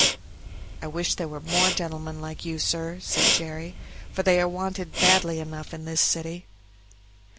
"I wish there were more gentlemen like you, sir," said Jerry, "for they are wanted badly enough in this city."